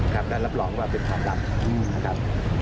และรับรองว่าเป็นคำดับนะครับ